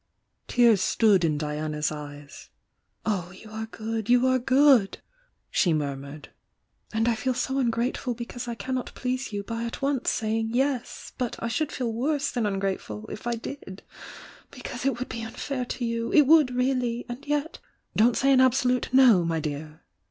Tears stood in Diana's eyes. "Oh, you are good, you are good!" she murmured. "And I feel so ungrateful because I cannot please you by at once saying 'yes!' But I should feel worse than ungrateful if I did — because it would be unfair to you! — it would, really! And yet " "Don't say an absolute 'No,' my dear!"